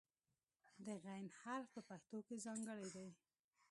د "غ" حرف په پښتو کې ځانګړی دی.